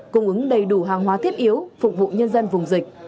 cung ứng đầy đủ hàng hóa thiết yếu phục vụ nhân dân vùng dịch